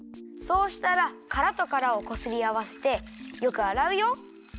そうしたらからとからをこすりあわせてよくあらうよ。